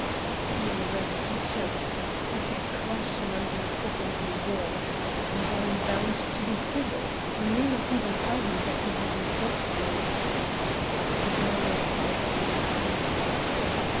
I feel ready to choke ... I could crush him under foot like a worm!... and I am bound to be civil. I may not even tell him that he has insulted me." The baroness here came back.